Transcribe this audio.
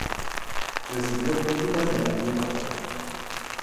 Recibió críticas negativas.